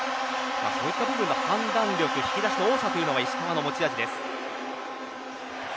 こういった部分の判断力引き出しの多さが石川の持ち味です。